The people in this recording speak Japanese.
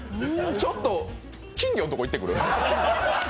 ちょっと、金魚のところ行ってくる？